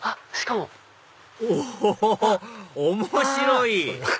お面白い！